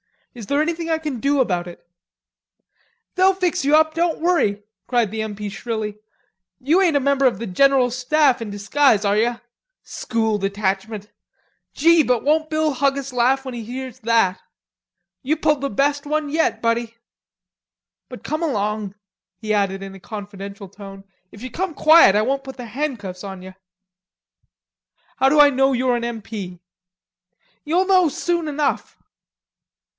Is there anything I can do about it?" "They'll fix you up, don't worry," cried the M. P. shrilly. "You ain't a member of the General Staff in disguise, are ye? School Detachment! Gee, won't Bill Huggis laugh when he hears that? You pulled the best one yet, buddy.... But come along," he added in a confidential tone. "If you come quiet I won't put the handcuffs on ye." "How do I know you're an M. P.?" "You'll know soon enough."